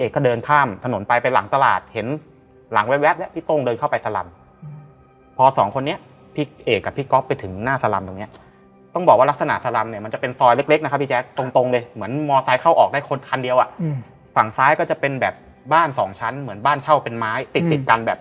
โหยอยู่ไหนก็เห็นหลังพี่โต้งแว๊บแว๊บเข้าไปบ้านซ้ายมือหลังหนึ่ง